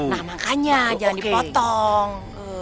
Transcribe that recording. nah makanya jangan dipotong